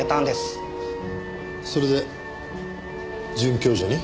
それで准教授に？